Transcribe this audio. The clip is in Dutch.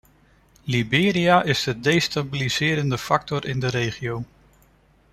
Liberia is de destabiliserende factor in de regio.